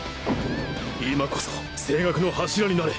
今こそ青学の柱になれ！